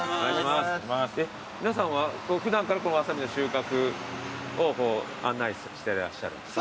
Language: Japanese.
皆さんは普段からワサビの収穫を案内してらっしゃるんですか？